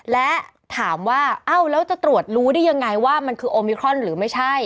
และถามว่าเอ้าแล้วจะตรวจรู้ได้ยังไงว่ามันคือโอมิครอนหรือไม่ใช่